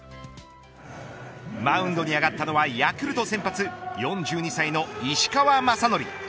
マウンドに上がったのはヤクルト先発４２歳の石川雅規。